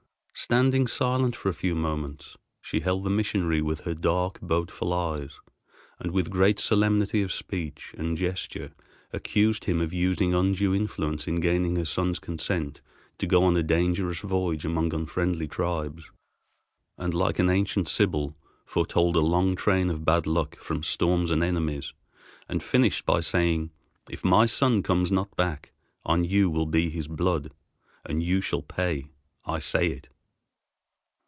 Standing silent for a few moments, she held the missionary with her dark, bodeful eyes, and with great solemnity of speech and gesture accused him of using undue influence in gaining her son's consent to go on a dangerous voyage among unfriendly tribes; and like an ancient sibyl foretold a long train of bad luck from storms and enemies, and finished by saying, "If my son comes not back, on you will be his blood, and you shall pay. I say it."